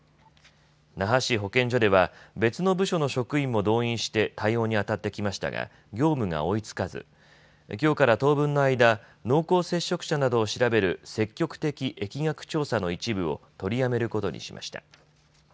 那覇市保健所では別の部署の職員も動員して対応にあたってきましたが業務が追いつかずきょうから当分の間、濃厚接触者などを調べる積極的疫学調査の一部を取りやめることにしました。